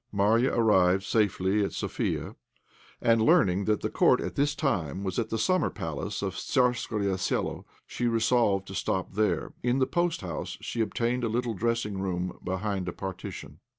Marya arrived safely at Sofia, and, learning that the court at this time was at the summer palace of Tzarskoe Selo, she resolved to stop there. In the post house she obtained a little dressing room behind a partition.